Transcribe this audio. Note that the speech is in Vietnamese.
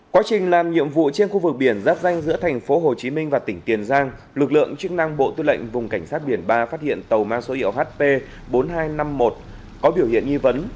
quá trình làm nhiệm vụ trên khu vực biển giáp danh giữa thành phố hồ chí minh và tỉnh tiền giang lực lượng chức năng bộ tư lệnh vùng cảnh sát biển ba phát hiện tàu ma số hiệu hp bốn nghìn hai trăm năm mươi một có biểu hiện nghi vấn